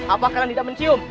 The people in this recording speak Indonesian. apakah kalian tidak mencium